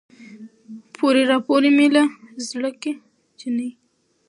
پورې راپورې مې له زړه که جينۍ